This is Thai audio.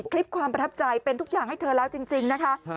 คลิปความประทับใจเป็นทุกอย่างให้เธอแล้วจริงนะคะ